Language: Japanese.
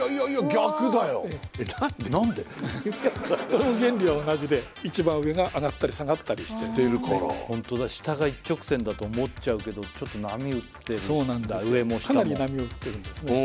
これも原理は同じで一番上が上がったり下がったりしてるホントだ下が一直線だと思っちゃうけどちょっと波打ってる上も下もかなり波打ってるんですね